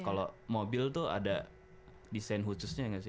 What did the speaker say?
kalo mobil tuh ada desain khususnya gak sih